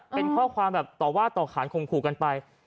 เป็นข้อความแบบต่อว่าต่อขานข่มขู่กันไป